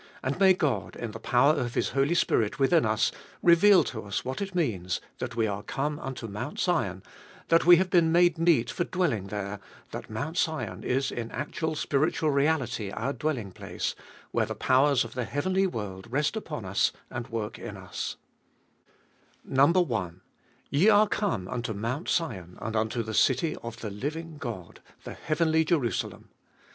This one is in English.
And may God, in the power of His Holy Spirit within us, reveal to us what it means, that we are come unto Mount Sion, that we have been made meet for dwelling there, that Mount Sion is in actual spiritual reality our dwelling place, where the powers of the heavenly world rest upon us and work in us, 510 3be tooliest of all 1. Ye are come unto Mount Sion, and unto the city of the living God, the heavenly Jerusalem.